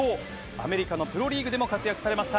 アメリカのプロリーグでも活躍されました